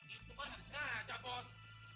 itu kan harusnya aja bos